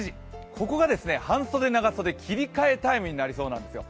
ここが半袖長袖切り替えタイムになりそうなんですよ。